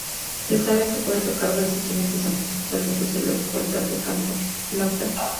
Se sabe que puede tocar varios instrumentos aunque principalmente se le encuentra tocando flautas.